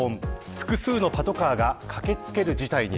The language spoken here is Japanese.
複数のパトカーが駆け付ける事態に。